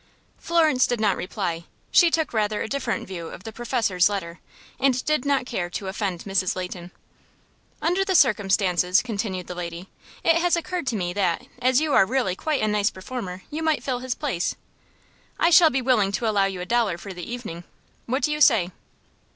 Florence did not reply. She took rather a different view of the professor's letter, and did not care to offend Mrs. Leighton. "Under the circumstances," continued the lady, "it has occurred to me that, as you are really quite a nice performer, you might fill his place. I shall be willing to allow you a dollar for the evening. What do you say?"